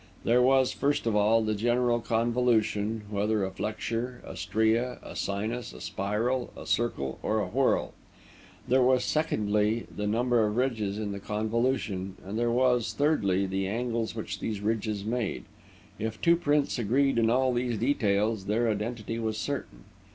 There was, first of all, the general convolution, whether a flexure, a stria, a sinus, a spiral, a circle, or a whorl; there was, secondly, the number of ridges in the convolution; and there was, thirdly, the angles which these ridges made. If two prints agreed in all these details, their identity was certain.